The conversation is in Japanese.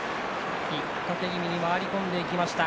引っ張り気味に回り込んでいきました。